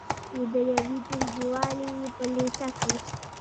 چې د یوې ټولګیوالې یې په لیسه کې